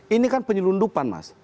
ini kan penyelundupan mas